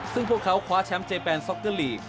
ซึ่งพวกเขาคว้าแชมป์เจแปนซ็อกเกอร์ลีก